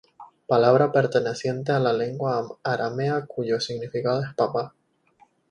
Palabra perteneciente a la lengua aramea cuyo significado es 'papá'.